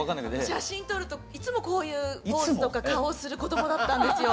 写真撮るといつもこういうポーズとか顔をする子どもだったんですよ。